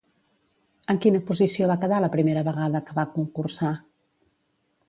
En quina posició va quedar la primera vegada que va concursar?